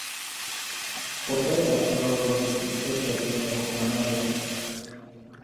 Poté pracoval v logistické firmě jako manažer.